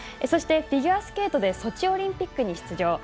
そして、フィギュアスケートでソチオリンピックに出場。